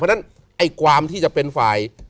เพราะฉะนั้นไอ้ความที่จะเป็นฝ่าย